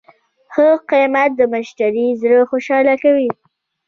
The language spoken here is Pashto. ښه قیمت د مشتری زړه خوشحاله کوي.